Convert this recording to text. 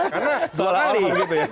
karena soal apa gitu ya